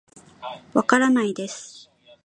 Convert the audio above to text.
わからないです